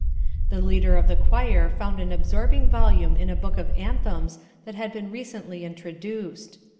The leader of the choir found an absorbing volume in a book of anthems that had been recently introduced.